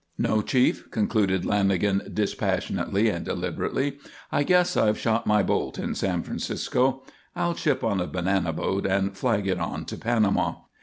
"No, chief," concluded Lanagan dispassionately and deliberately, "I guess I've shot my bolt in San Francisco. I'll ship on a banana boat and flag it on to Panama.